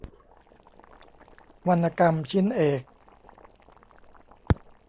วรรณกรรมชิ้นเอก